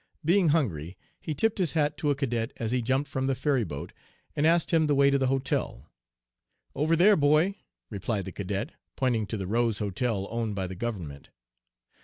Being hungry he tipped his hat to a cadet as he jumped from the ferry boat and asked him the way to the hotel. "'Over there, boy,' replied the cadet, pointing to the Rose Hotel owned by the government.